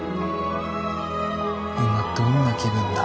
今どんな気分だ？